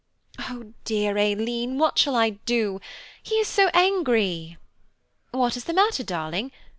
"Oh, dear Aileen, what shall I do? he is so angry!" "What is the matter, darling?